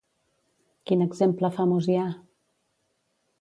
Quin exemple famós hi ha?